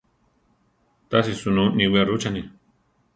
Tási sunú niwía rucháni.